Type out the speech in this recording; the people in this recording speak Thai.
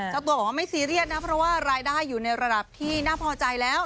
เจ้าตัวบอกว่าไม่ซีเรียสนะเพราะว่ารายได้อยู่ในระดับที่น่าพอใจแล้ว